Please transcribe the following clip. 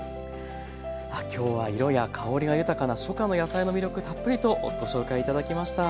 今日は色や香りが豊かな初夏の野菜の魅力たっぷりとご紹介頂きました。